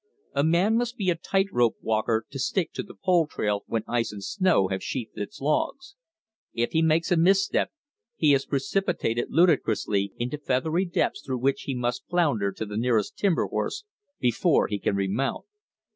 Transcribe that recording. A man must be a tight rope walker to stick to the pole trail when ice and snow have sheathed its logs. If he makes a misstep, he is precipitated ludicrously into feathery depths through which he must flounder to the nearest timber horse before he can remount.